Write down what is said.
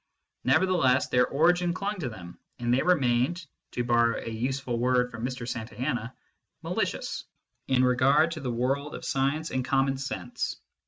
Nevertheless their origin clung to them, and they remained to borrow a useful word from Mr. Santayana " malicious " in regard to the world of science and common sense.